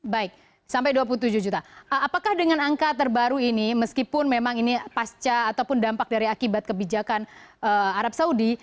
baik sampai dua puluh tujuh juta apakah dengan angka terbaru ini meskipun memang ini pasca ataupun dampak dari akibat kebijakan arab saudi